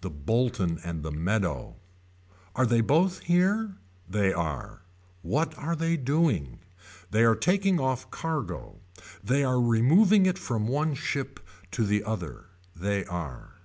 The Bolton and the Meadow. Are they both here. They are. What are they doing. They are taking off cargo. Are they removing it from one ship to the other. They are.